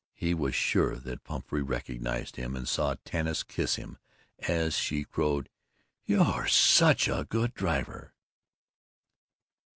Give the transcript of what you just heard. He was sure that Pumphrey recognized him and saw Tanis kiss him as she crowed, "You're such a good driver!"